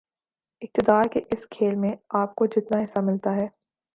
اقتدار کے اس کھیل میں آپ کو جتنا حصہ ملتا ہے